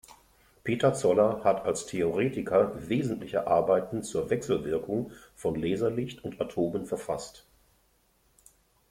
Peter Zoller hat als Theoretiker wesentliche Arbeiten zur Wechselwirkung von Laserlicht und Atomen verfasst.